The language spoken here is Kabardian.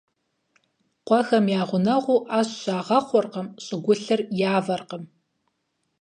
Къуэхэм я гъунэгъуу Ӏэщ щагъэхъуркъым, щӀыгулъыр явэркъым.